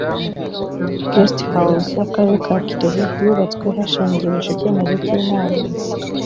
guest house y akarere ka kirehe yubatswe hashingiwe ku cyemezo cy inama